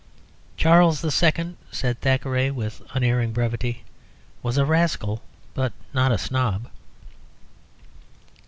"Charles II.," said Thackeray, with unerring brevity, "was a rascal, but not a snob."